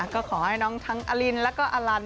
ก็ขอให้น้องทั้งอลินแล้วก็อลัน